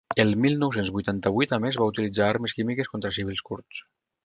El mil nou-cents vuitanta-vuit, a més, va utilitzar armes químiques contra civils kurds.